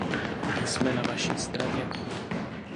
Jsme na vaší straně.